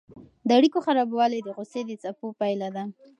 د اړیکو خرابوالی د غوسې د څپو پایله ده.